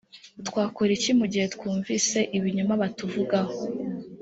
twakora iki mu gihe twumvise ibinyoma batuvugaho